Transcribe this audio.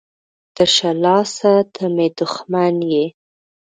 ـ تشه لاسه ته مې دښمن یې.